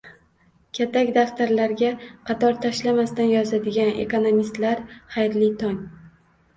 Katak daftarlarga qator tashlamasdan yozadigan "ekonomistlar", xayrli tong!